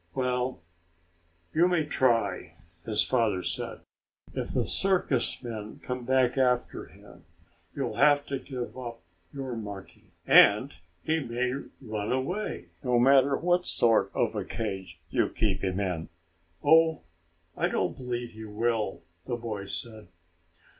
"Well, you may try," his father said. "But if the circus men come back after him, you'll have to give up your monkey. And he may run away, no matter what sort of a cage you keep him in." "Oh, I don't believe he will," the boy said.